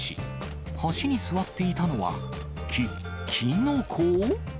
橋に座っていたのは、キ、キノコ？